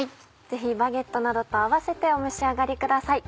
ぜひバゲットなどと合わせてお召し上がりください。